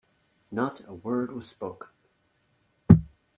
Not a word was spoken.